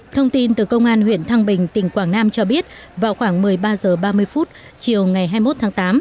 thông tin từ công an huyện thăng bình tỉnh quảng nam cho biết vào khoảng một mươi ba h ba mươi chiều ngày hai mươi một tháng tám